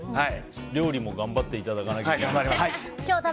料理も頑張っていただかなきゃ。